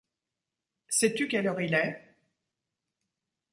Sais-tu quelle heure il est ?